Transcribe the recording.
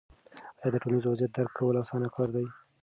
آیا د ټولنیز وضعیت درک کول اسانه کار دی؟